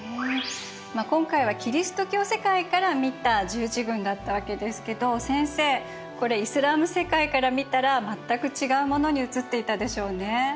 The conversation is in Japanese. まあ今回はキリスト教世界から見た十字軍だったわけですけど先生これイスラーム世界から見たら全く違うものに映っていたでしょうね。